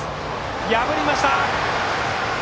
破りました！